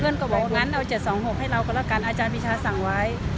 เพื่อนก็บอกงั้นเอา๗๒๖ให้เราก็แล้วกันอาจารย์พิชาสั่งไว้